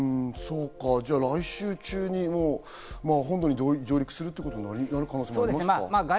じゃあ来週中に本土に上陸するってことになる可能性もありますか？